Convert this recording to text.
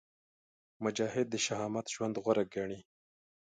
مجاهد د شهامت ژوند غوره ګڼي.